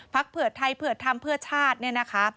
พักเพิร์ดไทยเพื่อทำเพื่อชาตินี่นะคะ